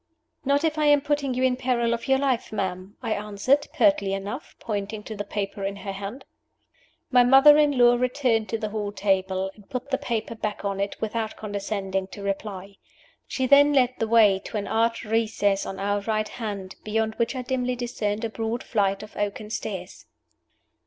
"Not if I am putting you in peril of your life, ma'am," I answered, pertly enough, pointing to the paper in her hand. My mother in law returned to the hall table, and put the paper back on it without condescending to reply. She then led the way to an arched recess on our right hand, beyond which I dimly discerned a broad flight of oaken stairs.